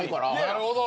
・なるほど！